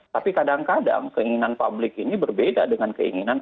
tapi kadang kadang keinginan publik ini berbeda dengan keinginan